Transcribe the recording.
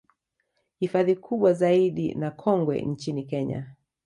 Hifadhi kubwa zaidi na kongwe nchini Kenya